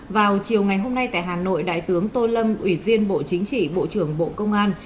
vào chiều ngày hôm nay tại hà nội đại tướng tô lâm ủy viên bộ chính trị bộ trưởng bộ công an